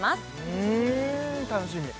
うん楽しみ！